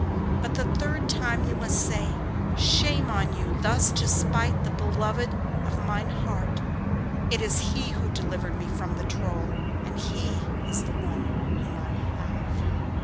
But the third time you must say, "Shame on you thus to smite the beloved of mine heart. It is he who delivered me from the Troll, and he is the one whom I will have."